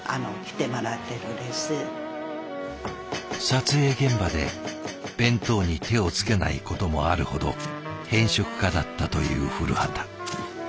撮影現場で弁当に手をつけないこともあるほど偏食家だったという降旗。